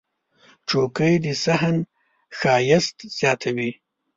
چوکۍ د صحن ښایست زیاتوي.